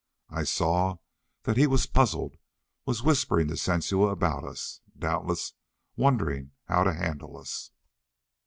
I saw that he was puzzled, was whispering to Sensua about us, doubtless wondering how to handle us.